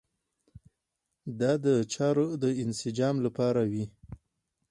دا د چارو د انسجام لپاره وي.